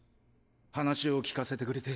話を聞かせてくれて。